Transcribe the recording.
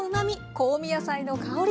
香味野菜の香り。